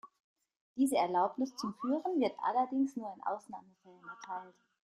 Diese Erlaubnis zum Führen wird allerdings nur in Ausnahmefällen erteilt.